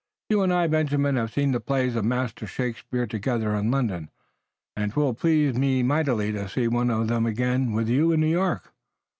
"You and I, Benjamin, have seen the plays of Master Shakespeare together in London, and 'twill please me mightily to see one of them again with you in New York.